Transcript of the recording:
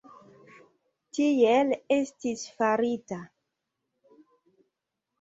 Tiel estis farita.